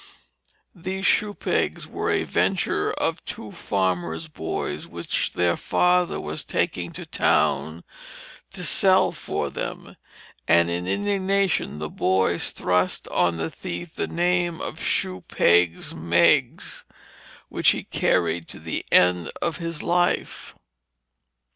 These shoe pegs were a venture of two farmer boys which their father was taking to town to sell for them, and in indignation the boys thrust on the thief the name of Shoe pegs Meigs, which he carried to the end of his life.